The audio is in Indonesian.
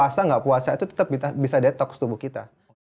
jadi bahwa mengatakan sebenarnya puasa atau nggak puasa itu tetap bisa detox tubuh kita